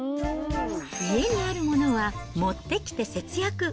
家にあるものは持ってきて節約。